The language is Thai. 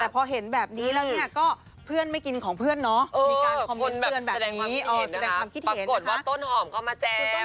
แสดงความคิดเห็นนะคะปรากฏว่าต้นหอมเข้ามาแจม